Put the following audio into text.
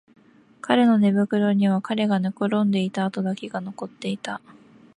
彼の寝袋には彼が寝転んでいた跡だけが残っていた